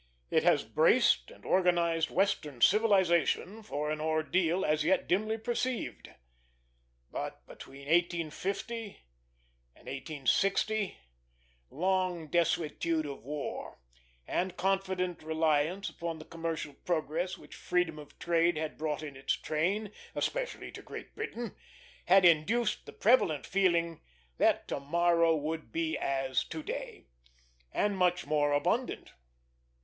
It has braced and organized Western civilization for an ordeal as yet dimly perceived. But between 1850 and 1860 long desuetude of war, and confident reliance upon the commercial progress which freedom of trade had brought in its train, especially to Great Britain, had induced the prevalent feeling that to morrow would be as to day, and much more abundant.